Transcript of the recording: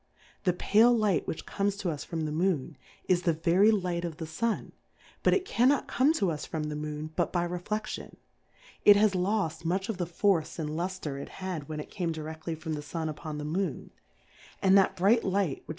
The Pale Light which comes to us from the Moon, is the very Light of the Sun, but it can not come to us from the Moon, but by llefleflion ; it has loft much of the force andluftre it had when it came diredlly from the Sun upon the Moon ; and that bright Light which Ih.